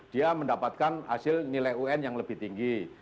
dia mendapatkan hasil nilai un yang lebih tinggi